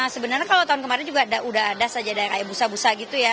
sebenarnya kalau tahun kemarin juga udah ada saja kayak busa busa gitu ya